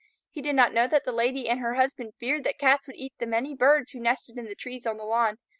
He did not know that the Lady and her husband feared that Cats would eat the many birds who nested in the trees on the lawn.